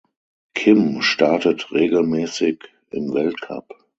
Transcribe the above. Kim startet regelmäßig im Weltcup.